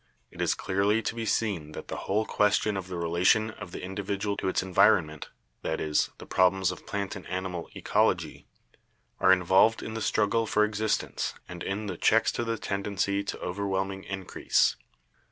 It is clearly to be seen that the whole question of the relation of the indi vidual to its environment— that is, the problems of plant and animal ecology — are involved in the struggle for ex istence and in the checks to the tendency to overwhelming increase.